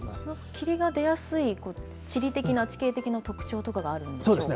霧が出やすい地理的な、地形的な特徴とかがあるんでしょうか。